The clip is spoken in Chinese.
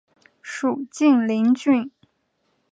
属晋陵郡。